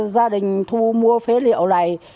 gia đình thu mua phế liệu này